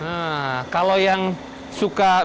nah kalau yang suka